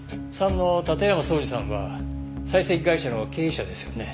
３の館山荘司さんは採石会社の経営者ですよね。